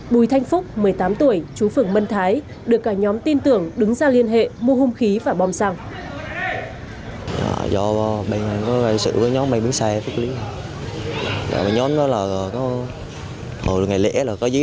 bùi thanh phúc một mươi tám tuổi chú phường mân thái được cả nhóm tin tưởng đứng ra liên hệ mua hung khí và bom xăng